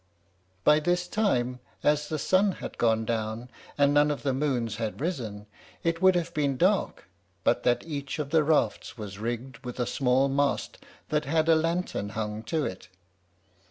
By this time, as the sun had gone down, and none of the moons had risen, it would have been dark but that each of the rafts was rigged with a small mast that had a lantern hung to it.